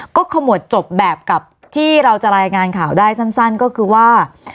ก็ขมวดจบแบบกับที่เราจะรายงานข่าวได้สั้นก็คือว่า